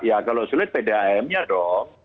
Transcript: ya kalau sulit pdam nya dong